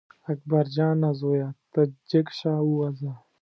اکبر جانه زویه ته جګ شه ووځه.